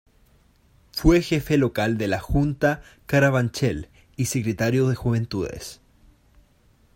Fue jefe local de la Junta de Carabanchel y secretario de Juventudes.